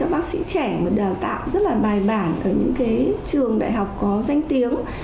bác sĩ trẻ đào tạo rất là bài bản ở những trường đại học có danh tiếng